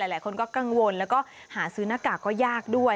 หลายคนก็กังวลแล้วก็หาซื้อหน้ากากก็ยากด้วย